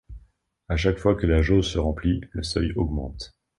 À chaque fois que la jauge se remplie, le seuil augmente.